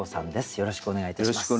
よろしくお願いします。